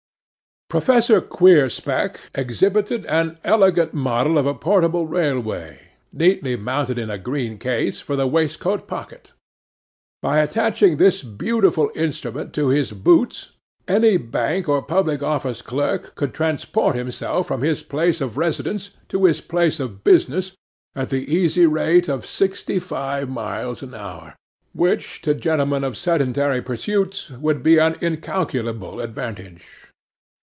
'PROFESSOR QUEERSPECK exhibited an elegant model of a portable railway, neatly mounted in a green case, for the waistcoat pocket. By attaching this beautiful instrument to his boots, any Bank or public office clerk could transport himself from his place of residence to his place of business, at the easy rate of sixty five miles an hour, which, to gentlemen of sedentary pursuits, would be an incalculable advantage.